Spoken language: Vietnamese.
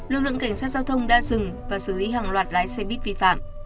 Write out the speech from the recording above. lực lượng cảnh sát giao thông đã dừng và xử lý hàng loạt lái xe buýt vi phạm